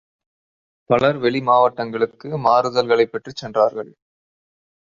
பலர் வெளி மாவட்டங்களுக்கு மாறுதல்களைப் பெற்றுச் சென்றார்கள்.